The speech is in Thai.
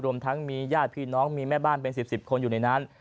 รวมทั้งมีญาติพี่น้องมีแม่บ้านเป็น๑๐คนอยู่ในนั้น